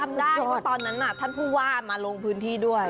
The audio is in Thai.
จำได้ว่าตอนนั้นท่านผู้ว่ามาลงพื้นที่ด้วย